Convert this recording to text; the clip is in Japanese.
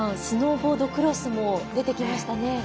スノーボードクロスも出てきましたね。